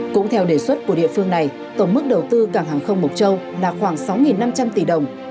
cũng theo đề xuất của địa phương này tổng mức đầu tư cảng hàng không mộc châu là khoảng sáu năm trăm linh tỷ đồng